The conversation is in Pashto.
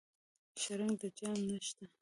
شرنګ د جام نشته